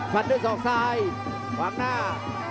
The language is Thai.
พลังด้วยสองซ้ายหวังหน้า